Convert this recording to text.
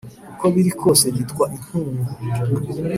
uko biri kose yitwa inkungu !